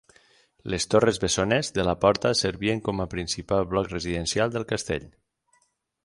Les torres bessones de la porta servien com a principal bloc residencial del castell.